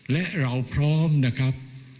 และเราพร้อมนะครับ